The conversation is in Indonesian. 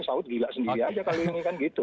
sahut gila sendiri aja kalau ini kan gitu